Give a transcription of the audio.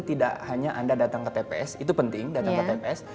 tidak hanya anda datang ke tps itu penting datang ke tps